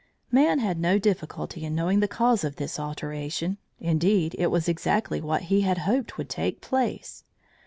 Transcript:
Man had no difficulty in knowing the cause of this alteration; indeed, it was exactly what he had hoped would take place.